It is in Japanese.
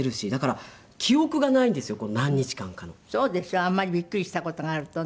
あんまりびっくりした事があるとね。